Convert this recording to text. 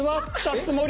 つもり？